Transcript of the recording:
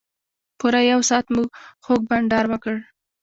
پوره یو ساعت مو خوږ بنډار وکړ.